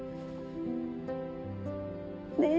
ねえ。